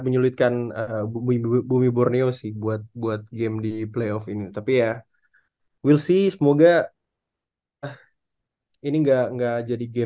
bu mbu mbunio menang tujuh puluh lima tujuh puluh empat